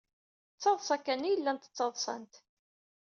D taḍsa kan ay llant ttaḍsant.